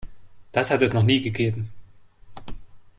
Das hat es noch nie gegeben.